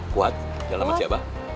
kuat jalan sama si abah